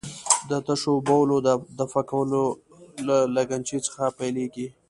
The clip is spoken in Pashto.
د تشو بولو دفع کول له لګنچې څخه پیلېږي.